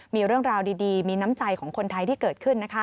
มีเรื่องราวดีมีน้ำใจของคนไทยที่เกิดขึ้น